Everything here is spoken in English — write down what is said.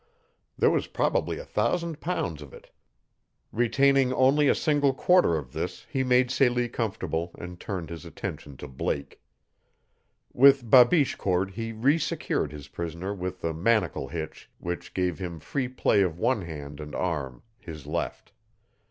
There was probably a thousand pounds of it, Retaining only a single quarter of this he made Celie comfortable and turned his attention to Blake. With babiche cord he re secured his prisoner with the "manacle hitch," which gave him free play of one hand and arm his left.